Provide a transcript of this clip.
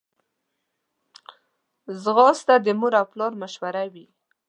ځغاسته د مور او پلار مشوره وي